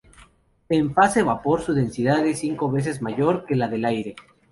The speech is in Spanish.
En fase vapor, su densidad es cinco veces mayor que la del aire.